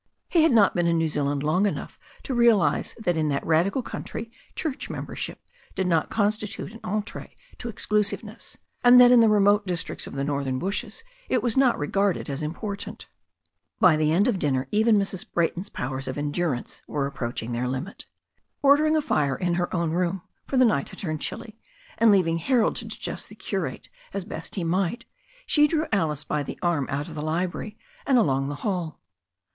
He had not been in New Zealand long enough to realize that in that radical country church membership did not constitute an entree to exclusiveness, and that in the remote districts of the northern bushes it was not regarded as important. By the end of dinner even Mrs. Brayton's powers of endurance were approaching their limit. Ordering a fire in her own room — for the night had turned chilly — and leaving Harold to digest the curate as best he might, she drew Alice by the arm out of the library and along the hall.